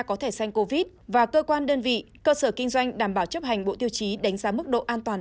có thể sanh covid và cơ quan đơn vị cơ sở kinh doanh đảm bảo chấp hành bộ tiêu chí đánh giá mức độ an toàn